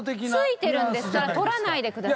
付いてるんですから取らないでください。